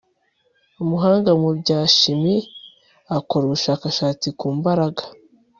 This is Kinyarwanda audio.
Umuhanga mu bya shimi akora ubushakashatsi ku mbaraga